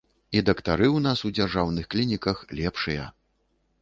І дактары ў нас ў дзяржаўных клініках лепшыя.